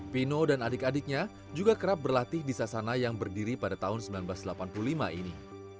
pino dan adik adiknya juga kerap berlatih di sasana yang berdiri pada tahun seribu sembilan ratus delapan puluh lima ini